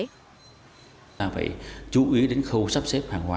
chúng ta phải chú ý đến khâu sắp xếp hàng hóa